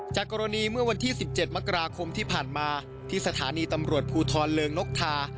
จากกรณีเมื่อวันที่๑๗มกราคมที่ผ่านมาที่สถานีตำรวจภูทรเริงนกทา